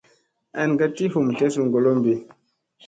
An ka ti hum tlesu golombi.